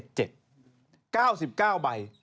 เต๋อง้อยขาวขนาดนั้นล่ะเธอ